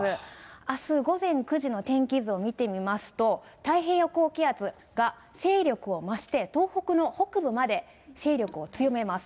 あす午前９時の天気図を見てみますと、太平洋高気圧が勢力を増して、東北の北部まで勢力を強めます。